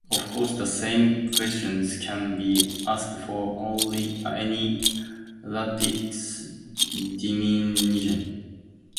Of course the same questions can be asked for any lattice dimension.